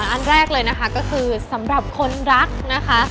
อันแรกเลยนะคะก็คือสำหรับคนรักนะคะ